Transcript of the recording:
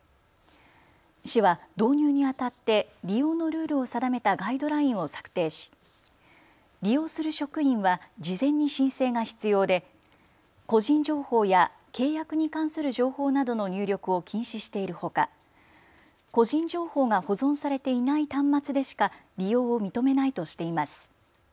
市は導入にあたって利用のルールを定めたガイドラインを策定し利用する職員は事前に申請が必要で個人情報や契約に関する情報などの入力を禁止しているほか個人情報が保存されていない端末でしか利用を認めないとしています。